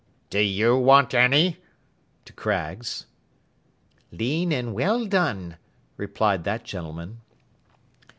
'Do you want any?' to Craggs. 'Lean and well done,' replied that gentleman.